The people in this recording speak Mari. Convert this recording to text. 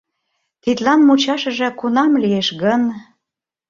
Тидлан мучашыже кунам лиеш гын?